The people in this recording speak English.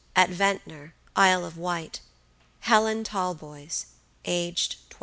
at Ventnor, Isle of Wight, Helen Talboys, aged 22."